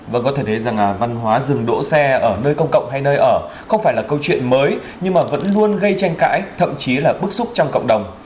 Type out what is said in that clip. vâng có thể thấy rằng văn hóa dừng đỗ xe ở nơi công cộng hay nơi ở không phải là câu chuyện mới nhưng mà vẫn luôn gây tranh cãi thậm chí là bức xúc trong cộng đồng